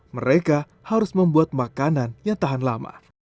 mereka harus membuat makanan yang tahan lama